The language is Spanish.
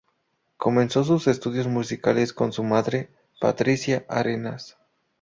Comenzó sus estudios musicales con su madre, Patricia Arenas.